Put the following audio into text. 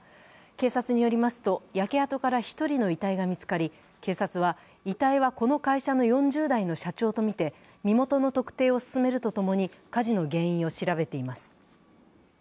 警察によりますと、焼け跡から１人の遺体が見つかり、警察は、遺体はこの会社の４０代の社長とみて、身元の特定を進めるとともに火事の原因を調べています。